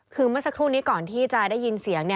คือเมื่อสักครู่นี้ก่อนที่จะได้ยินเสียง